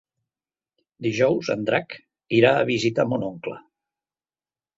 Dijous en Drac irà a visitar mon oncle.